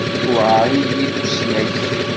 Tuɛer-iyi tusnakt.